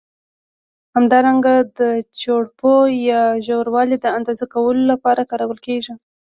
همدارنګه د چوړپو یا ژوروالي د اندازه کولو له پاره کارول کېږي.